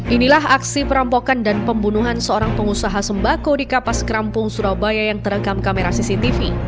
inilah aksi perampokan dan pembunuhan seorang pengusaha sembako di kapas kerampung surabaya yang terekam kamera cctv